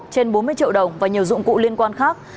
trên bốn mươi triệu đồng và nhiều dụng cụ liên quan khác